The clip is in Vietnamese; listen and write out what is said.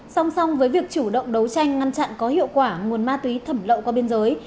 song song với việc chủ động đấu tranh ngăn chặn có hiệu quả nguồn ma túy thẩm lậu qua biên giới